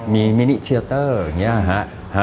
มีมินิเชียเตอร์อย่างนี้ฮะ